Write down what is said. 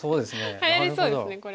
はやりそうですねこれ。